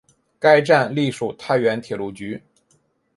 该站隶属太原铁路局。